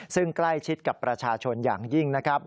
ซึ่งใกล้ชิดกับประชาชนอย่างยิ่งนะครับ